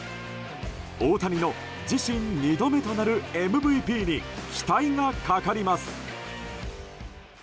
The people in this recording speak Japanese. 大谷の、自身２度目となるＭＶＰに期待がかかります。